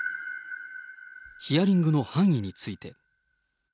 ヒアリングの範囲について。